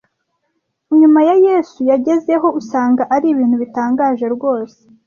nyuma ya Yesu yagezeho usanga ari ibintu bitangaje rwose